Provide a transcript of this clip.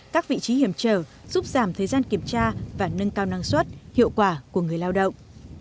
các vị trí hiểm trở giúp giảm thời gian kiểm tra và nâng cao năng suất hiệu quả của người lao động